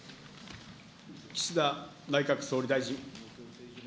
岸田内閣総理大臣。